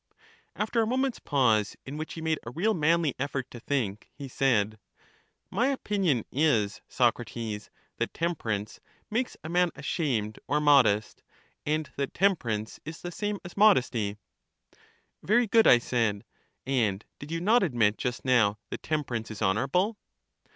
After a moment's pause, in which he made a real manly effort to think, he said: My opinion is, Soc rates, that temperance makes a man ashamed or mod est, and that temperance is the same as modesty.. 18 CHARMIDES Very good, I said; and did you not admit, just now, that temperance is honorable?